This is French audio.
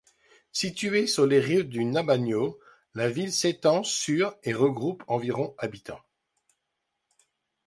Située sur les rives du Nabão, la ville s'étend sur et regroupe environ habitants.